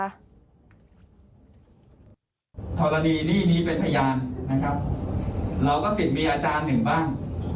กรณีหนี้นี้เป็นพยานนะครับเราก็สิทธิ์มีอาจารย์หนึ่งบ้าง